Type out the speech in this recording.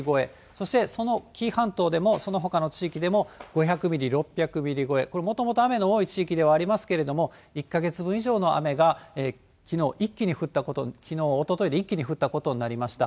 そしてその紀伊半島でも、そのほかの地域でも、５００ミリ、６００ミリ超え、これ、もともと雨の多い地域ではありますけれども、１か月分以上の雨がきのう一気に、きのう、おとといで一気に降ったことになりました。